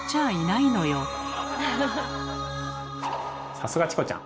さすがチコちゃん！